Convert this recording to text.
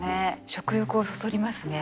食欲をそそりますね